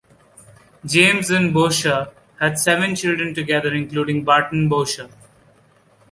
James and Boucher had seven children together, including Barton Boucher.